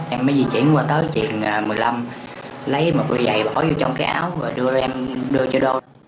em mới di chuyển qua tới trường một mươi năm lấy một đôi giày bỏ vô trong cái áo và đưa cho đô